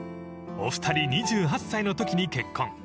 ［お二人２８歳のときに結婚］